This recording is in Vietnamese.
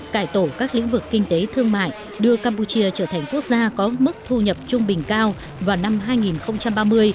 cải tổ các lĩnh vực kinh tế thương mại đưa campuchia trở thành quốc gia có mức thu nhập trung bình cao vào năm hai nghìn ba mươi